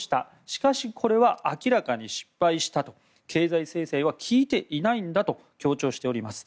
しかし、これは明らかに失敗したと経済制裁は効いていないんだと強調しております。